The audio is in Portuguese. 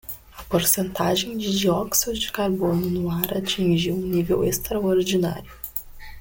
A porcentagem de dióxido de carbono no ar atingiu um nível extraordinário.